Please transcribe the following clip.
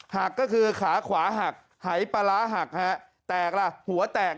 หักก็คือขาขวาหักหายปลาร้าหักฮะแตกล่ะหัวแตก